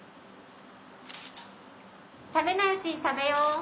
・冷めないうちに食べよう。